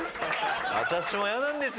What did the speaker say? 「私も嫌なんですよ」。